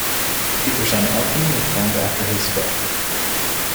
Papers on alchemy were found after his death.